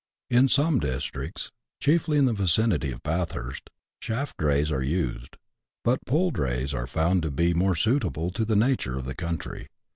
In some districts, chiefly in the vicinity of Bathurst, shaft drays are used ; but pole drays are found to be more suitable to the nature of the country.